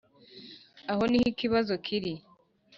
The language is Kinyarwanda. aho niho ikibazo kiri.